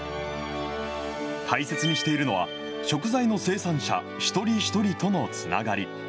大切にしているのは、食材の生産者一人一人とのつながり。